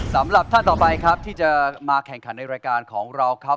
สำหรับท่านต่อไปครับที่จะมาแข่งขันในรายการของเราครับ